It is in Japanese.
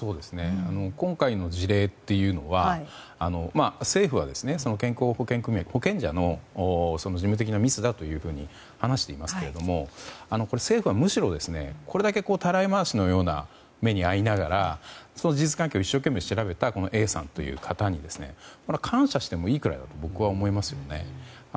今回の事例というのは政府は健康保険組合保険者の事務的なミスだと話していますが政府はむしろ、これだけたらい回しのような目に遭いながら事実関係を一生懸命調べたＡさんという方に感謝してもいいくらいだと僕は思いますよね。